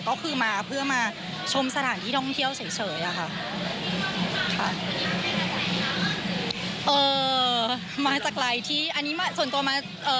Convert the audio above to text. ก็คือมาเพื่อมาชมสถานที่ท่องเที่ยวเฉยเฉยอ่ะค่ะเอ่อมาจากอะไรที่อันนี้มาส่วนตัวมาเอ่อ